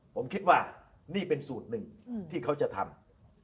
ผมคิดว่านี่เป็นสูตรหนึ่งที่เขาจะทำ